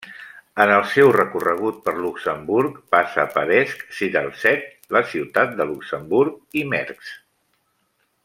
En el seu recorregut per Luxemburg passa per Esch-sur-Alzette, la ciutat de Luxemburg i Mersch.